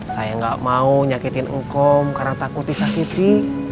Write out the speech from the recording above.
saya gak mau nyakitin engkom karena takut disakiti